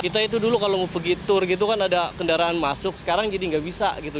kita itu dulu kalau mau pergi tur gitu kan ada kendaraan masuk sekarang jadi nggak bisa gitu